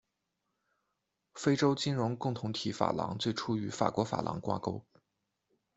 非洲金融共同体法郎最初与法国法郎挂钩。